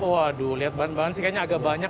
waduh lihat bahan bahan sih kayaknya agak banyak